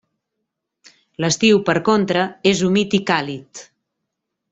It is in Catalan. L'estiu per contra és humit i càlid.